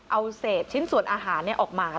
เอาเสพชิ้นส่วนอาหารเนี้ยออกมาอืม